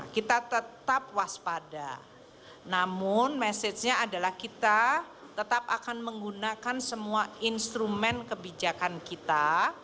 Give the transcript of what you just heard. kita tetap waspada namun message nya adalah kita tetap akan menggunakan semua instrumen kebijakan kita